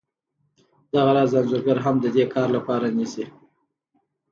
دغه راز انځورګر هم د دې کار لپاره نیسي